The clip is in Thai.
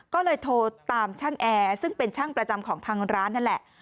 ก็เลยโทรตามช่างแอร์ซึ่งเป็นช่างประจำของทางร้านนั่นแหละ